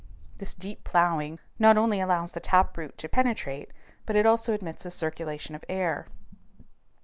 This deep plowing not only allows the tap root to penetrate, but it also admits a circulation of air.